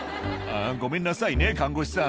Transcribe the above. ごめんなさいね、看護師さん。